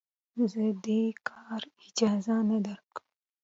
زه دې کار اجازه نه درکوم.